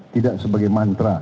tidak sebagai mantra